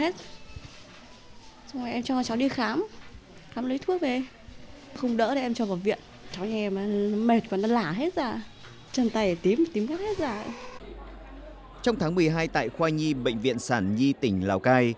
trong tháng một mươi hai tại khoa nhi bệnh viện sản nhi tỉnh lào cai